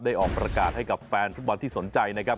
ออกประกาศให้กับแฟนฟุตบอลที่สนใจนะครับ